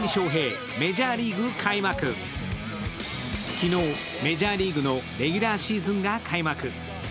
昨日、メジャーリーグのレギュラーシーズンが開幕。